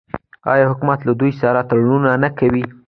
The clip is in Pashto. آیا حکومت له دوی سره تړونونه نه کوي؟